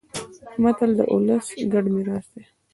متل د ولس ګډ میراث دی